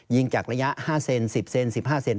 จากระยะ๕เซน๑๐เซน๑๕เซน